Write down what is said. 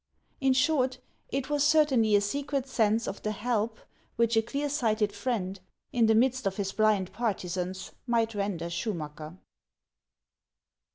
In short, it was cer tainly a secret sense of the help which a clear sighted friend, in the midst of his blind partisans, might render Schumacker.